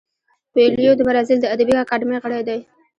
کویلیو د برازیل د ادبي اکاډمۍ غړی دی.